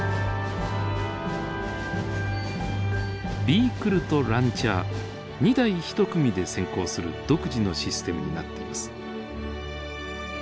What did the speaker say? ビークルとランチャー２台１組で潜航する独自のシステムになっています。